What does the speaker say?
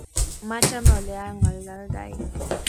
Machame ole angololdai